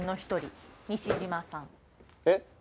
えっ？